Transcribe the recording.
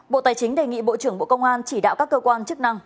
bộ tài chính đề nghị bộ trưởng bộ công an chỉ đạo các cơ quan chức năng